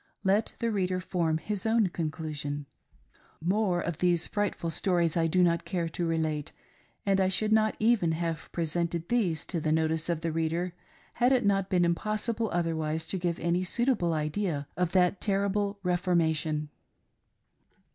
Let the reader form his own conclusion. More of these frightful stories I do not care to relate ; and I should not even have presented these to the notice of the reader had it not been impossible otherwise to give any suitable idea of that terrible "Reformation."